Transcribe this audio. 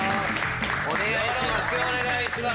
お願いします。